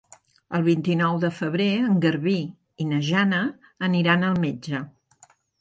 El vint-i-nou de febrer en Garbí i na Jana aniran al metge.